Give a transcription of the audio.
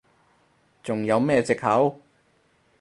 仲有咩藉口？